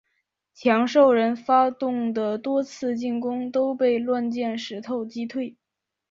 强兽人发动的多次进攻都被乱箭石头击退。